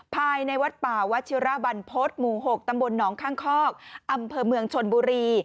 ภายในวัดป่าวัชิระบันพฤษหมู่๖ตำบลหนองข้างคอกอำเภอเมืองชนบุรี